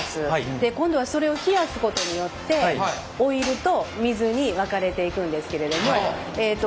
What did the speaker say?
で今度はそれを冷やすことによってオイルと水に分かれていくんですけれどもえっと